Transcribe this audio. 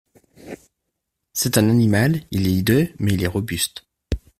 C'est un animal, il est hideux, mais il est robuste.